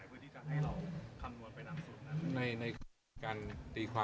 ครับเราก็ชี้แจงมาทุกอย่างนะครับว่า